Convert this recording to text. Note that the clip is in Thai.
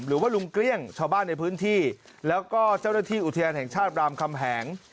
หรือว่าลุงเกลี้ยงชาวบ้านในพื้นที่แล้วก็เจ้าหน้าที่อุทยานแห่งชาติรามคำแหง